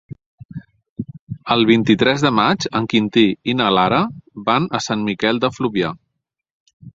El vint-i-tres de maig en Quintí i na Lara van a Sant Miquel de Fluvià.